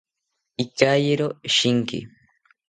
Ikayero shinki